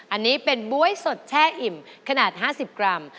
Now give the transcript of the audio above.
อันนี้เป็นบ๊วยสดแช่อิ่มขนาด๕๐กรัม